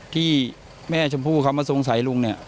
ที่แม่ชมพู่เขามาสงสัยลุงเนี่ย